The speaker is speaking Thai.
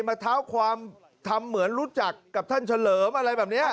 มาเท้าความทำเหมือนรู้จักกับท่านเฉลิมอะไรแบบนี้